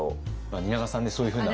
蜷川さんねそういうふうな。